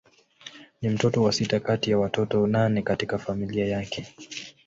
Ni mtoto wa sita kati ya watoto nane katika familia yake.